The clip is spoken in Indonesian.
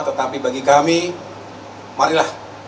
tetapi bagi kami marilah